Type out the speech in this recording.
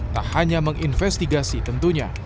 tak hanya menginvestigasi tentunya